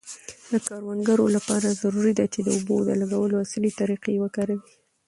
د کروندګرو لپاره ضروري ده چي د اوبو د لګولو عصري طریقې وکاروي.